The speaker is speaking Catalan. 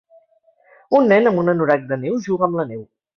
Un nen amb un anorac de neu juga amb la neu.